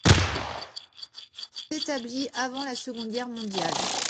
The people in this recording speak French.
Les vitraux furent établis avant la Seconde Guerre mondiale.